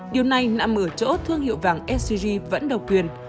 điều này nạm ở chỗ thương hiệu vàng scg vẫn độc quyền